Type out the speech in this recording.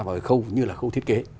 vào cái khâu như là khâu thiết kế